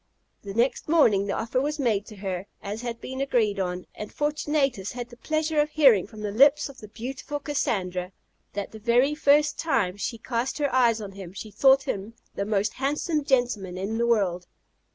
The next morning the offer was made to her, as had been agreed on, and Fortunatus had the pleasure of hearing from the lips of the beautiful Cassandra, that the very first time she cast her eyes on him she thought him the most handsome gentleman in the world.